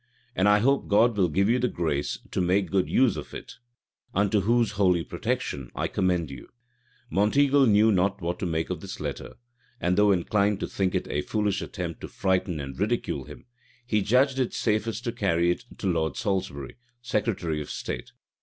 And I hope God will give you the grace to make good use of it, unto whose holy protection I commend you."[*] * King James's Works, p. 227. Monteagle knew not what to make of this letter; and though inclined to think it a foolish attempt to frighten and ridicule him, he judged it safest to carry it to Lord Salisbury, secretary of state.